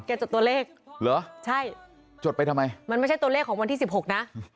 แกจดตัวเลขจดไปทำไมมันไม่ใช่ตัวเลขของวันที่๑๖นะ